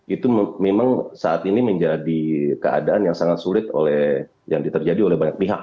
itu memang saat ini menjadi keadaan yang sangat sulit oleh yang diterjadi oleh banyak pihak